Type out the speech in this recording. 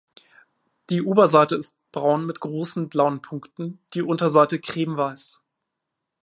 Die Oberseite ist braun mit großen, blauen Punkten, die Unterseite cremeweiß.